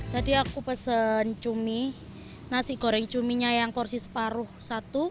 tadi aku pesen cumi nasi goreng cuminya yang porsi separuh satu